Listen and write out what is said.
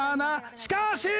しかし！